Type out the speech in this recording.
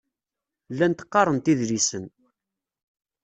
Llant qqarent idlisen.